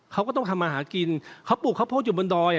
เขาก็ต้องทำมาหากินเขาปลูกข้าวโพดอยู่บนดอย